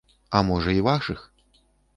А можа і вашых?